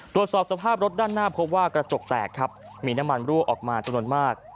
ตรวจสอบสภาพรถด้านหน้าพบว่ากระจกแตกครับมีน้ำมันรั่วออกมาจำนวนมาก